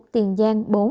tiền giang bốn